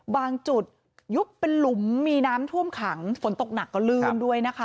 บางจุดยุบเป็นหลุมมีน้ำท่วมขังฝนตกหนักก็ลื่นด้วยนะคะ